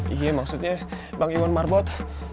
iya maksudnya bang iwan marbot